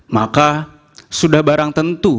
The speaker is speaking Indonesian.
maka sudah barang tentu